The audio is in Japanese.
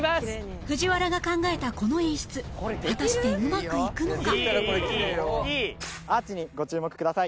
藤原が考えたこの演出果たしてうまくいくのか？